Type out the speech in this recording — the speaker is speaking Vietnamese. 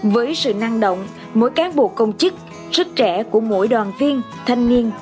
với sự năng động mỗi cán bộ công chức sức trẻ của mỗi đoàn viên thanh niên